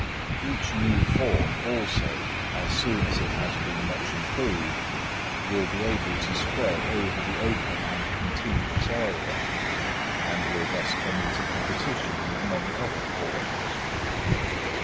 Each new form, also, as soon as it has been much improved, will be able to spread over the open and continuous area, and will thus come into competition with many other forms.